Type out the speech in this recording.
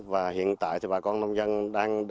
và hiện tại bà con nông dân đang